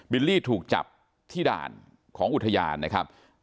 ลี่ถูกจับที่ด่านของอุทยานนะครับ